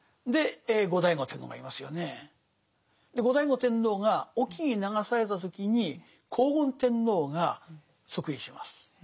後醍醐天皇が隠岐に流された時に光厳天皇が即位します。